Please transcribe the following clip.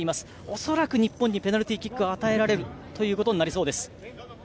恐らく日本にペナルティーキックが与えられることになりそうです。